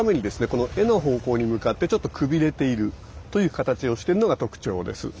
この柄の方向に向かってちょっとくびれているという形をしてるのが特徴です。